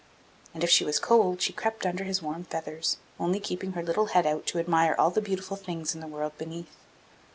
And if she was cold she crept under his warm feathers, only keeping her little head out to admire all the beautiful things in the world beneath.